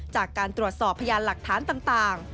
จากการตรวจสอบพยานหลักฐานต่าง